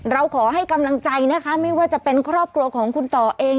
เราขอให้กำลังใจนะคะไม่ว่าจะเป็นครอบครัวของคุณต่อเอง